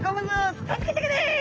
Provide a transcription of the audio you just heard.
「助けてくれ！」